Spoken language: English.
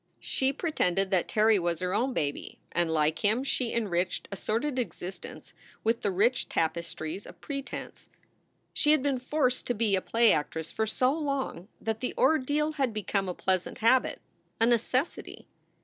She pretended that Terry was her own baby; and, like him, she enriched a sordid existence with the rich tapestries of pretense. She had been forced to be a play actress for so long that the ordeal had become a pleasant habit, a necessity.